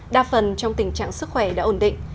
đa phần trong tình trạng sức khỏe đã ổn định